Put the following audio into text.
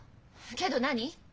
けど何？